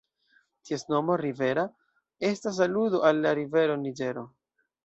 Ties nomo "Rivera" estas aludo al la rivero Niĝero.